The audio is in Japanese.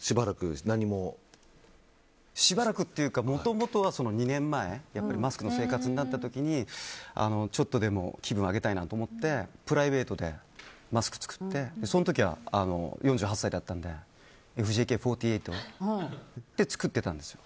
しばらくというかもともとは２年前マスクの生活になった時にちょっとでも気分を上げたいなと思ってプライベートでマスク作ってその時は４８歳だったのでＦＪＫ４８で作ってたんですよ。